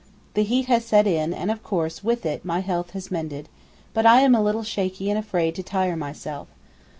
The heat has set in, and, of course with it my health has mended, but I am a little shaky and afraid to tire myself.